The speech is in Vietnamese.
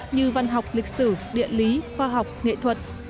như văn học lịch sử địa lý khoa học nghệ thuật